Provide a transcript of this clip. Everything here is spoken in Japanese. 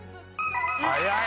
早い。